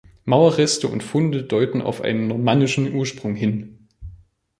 Mauerreste und Funde deuten auf einen normannischen Ursprung hin.